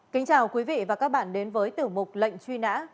kính chào quý vị và các bạn đến với tiểu mục lệnh truy nã